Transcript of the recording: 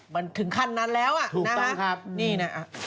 มันถึงคันนั้นแล้วอ่ะถูกต้องครับ